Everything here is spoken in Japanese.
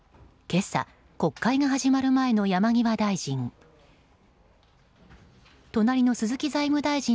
今朝、国会が始まる前の山際大臣。